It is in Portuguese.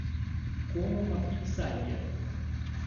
Como uma pizzaria